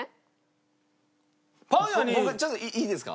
ちょっといいですか？